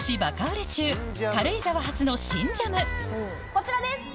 こちらです